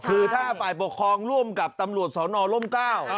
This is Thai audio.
คือถ้าฝ่ายปกครองร่วมกับตำรวจสอนอร่มเก้า